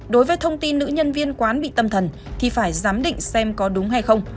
đối với thông tin nữ nhân viên quán bị tâm thần thì phải giám định xem có đúng hay không